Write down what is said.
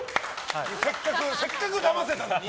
せっかくだませたのに？